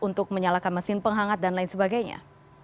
untuk menyalakan mesin penghangat dan lain sebagainya